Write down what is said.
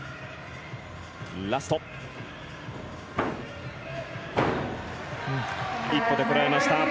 ラスト、１歩でこらえました。